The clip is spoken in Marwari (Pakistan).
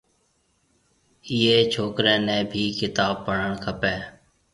ايئي ڇوڪري نَي ڀِي ڪتاب پڙهڻ کپيَ۔